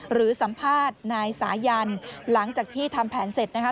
หรือสัมภาษณ์นายสายันหลังจากที่ทำแผนเสร็จนะคะ